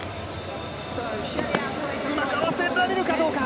うまく合わせられるかどうか。